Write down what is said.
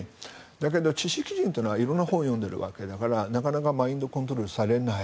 だけど、知識人というのは色んな本を読んでいるわけだからなかなかマインドコントロールされない。